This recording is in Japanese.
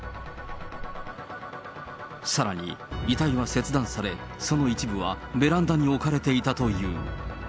さらに、遺体は切断され、その一部はベランダに置かれていたという。